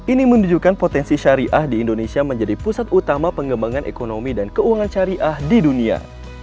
ini menunjukkan potensi syariah di indonesia menjadi pusat utama pengembangan ekonomi dan keuangan syariah di dunia